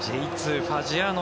Ｊ２ファジアーノ